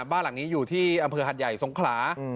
บ้านหลังนี้อยู่ที่อำเภอหัดใหญ่สงขลา